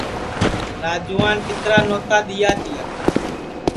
راجوان کِترا نوتا دؔیا تیا